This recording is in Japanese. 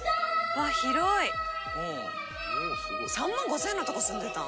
「あっ広い」「３万５０００円のとこ住んでたん？」